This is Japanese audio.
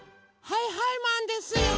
はいはいマンですよ！